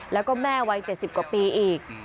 แล้วก็แม่วัยเจ็ดสิบกว่าปีอีก